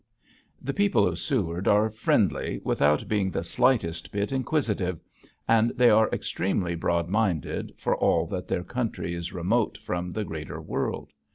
The people of Seward are friendly without being the slightest bit inquisitive, and they are extremely broad minded for all that their country is remote from the greater world.